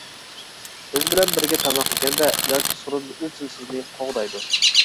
سىز بىلەن بىرگە تاماق يېگەندە، ياكى سورۇندا ئىزچىل سىزنى قوغدايدۇ.